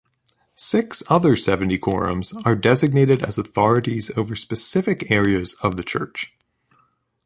Six other seventy quorums are designated as authorities over specific areas of the church.